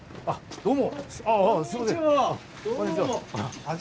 どうも。